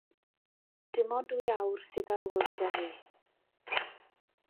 Dim ond dwy awr sydd ar ôl gyda ni.